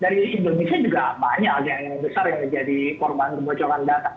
dari indonesia juga banyak yang besar yang menjadi korban kebocoran data